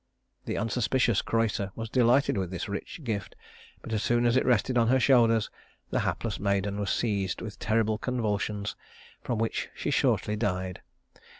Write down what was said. The unsuspicious Creusa was delighted with this rich gift; but as soon as it rested on her shoulders the hapless maiden was seized with terrible convulsions, from which she shortly died.